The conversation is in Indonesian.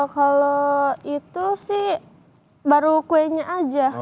kalau itu sih baru kuenya aja